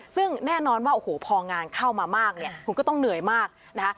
ซึ่งแน่นอนว่าโอ้โหพองานเข้ามามากเนี่ยคุณก็ต้องเหนื่อยมากนะคะ